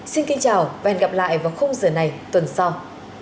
xin kính chào và hẹn gặp lại vào khung giờ này tuần sau